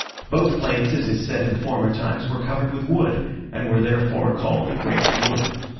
Both plains, it is said in former times were covered with wood, and were therefore called the Great Wood.